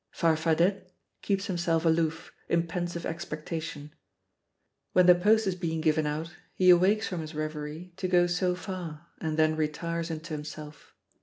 Farfadet keeps himself aloof, in pensive expectation. When the post is being given out he awakes from his reverie to go so far, and then retires into himself.